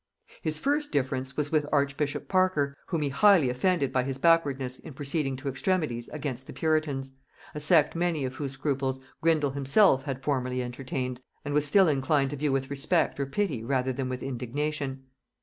His first difference was with archbishop Parker, whom he highly offended by his backwardness in proceeding to extremities against the puritans, a sect many of whose scruples Grindal himself had formerly entertained, and was still inclined to view with respect or pity rather than with indignation.